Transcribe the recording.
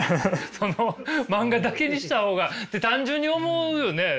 その漫画だけにした方がって単純に思うよね。